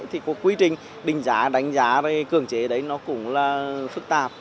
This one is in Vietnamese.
thì quy trình đánh giá cưỡng chế đấy nó cũng là phức tạp